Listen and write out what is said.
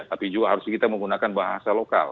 tapi juga harus kita menggunakan bahasa lokal